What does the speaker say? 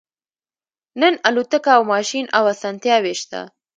نن الوتکه او ماشین او اسانتیاوې شته